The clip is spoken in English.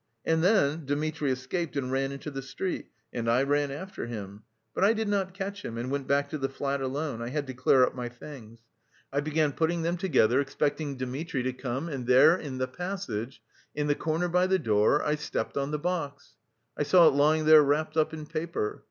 And then Dmitri escaped and ran into the street, and I ran after him; but I did not catch him, and went back to the flat alone; I had to clear up my things. I began putting them together, expecting Dmitri to come, and there in the passage, in the corner by the door, I stepped on the box. I saw it lying there wrapped up in paper.